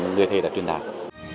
người thầy đã truyền đạt